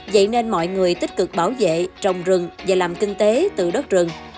vậy nên mọi người tích cực bảo vệ trồng rừng và làm kinh tế từ đất rừng